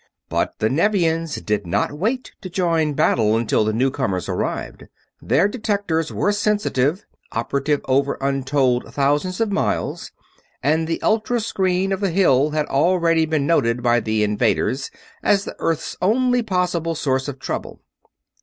But the Nevians did not wait to join battle until the newcomers arrived. Their detectors were sensitive operative over untold thousands of miles and the ultra screen of the Hill had already been noted by the invaders as the Earth's only possible source of trouble.